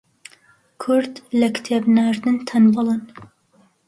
کورد لە کتێب ناردن تەنبەڵن